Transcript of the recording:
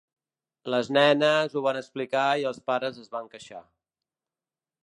Les nenes ho van explicar i els pares es van queixar.